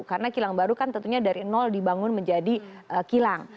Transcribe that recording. karena kilang baru kan tentunya dari dibangun menjadi kilang